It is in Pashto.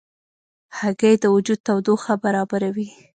هګۍ د وجود تودوخه برابروي.